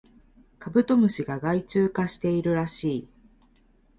カブトムシが害虫化しているらしい